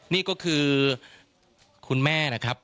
นี่ก็คือคุณแม่นะครับ